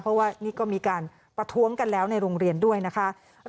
เพราะว่านี่ก็มีการประท้วงกันแล้วในโรงเรียนด้วยนะคะ